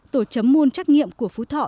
tổ chấm môn trắc nghiệm của phú thọ